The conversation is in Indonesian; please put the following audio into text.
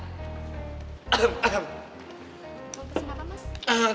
lo pesen makanan mas